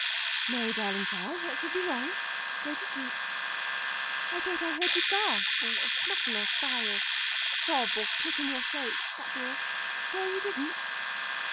"No, darling child, what should be wrong? Go to sleep." "I thought I heard you gasp, or snuffle, or sigh, or sob, or click in your throat. That's all. Sure you didn't?"